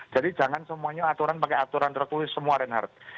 jadi jangan semuanya aturan pakai aturan tertulis semua renard